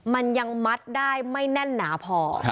มันยังมัดได้ไม่แน่นหนาพอ